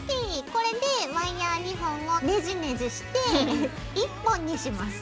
これでワイヤー２本をネジネジして１本にします。